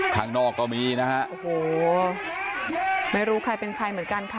ข้างนอกก็มีนะฮะโอ้โหไม่รู้ใครเป็นใครเหมือนกันค่ะ